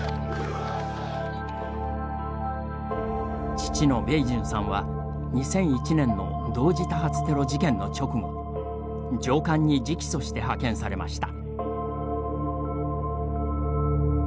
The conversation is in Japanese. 父のベイジュンさんは２００１年の同時多発テロ事件の直後上官に直訴して派遣されました。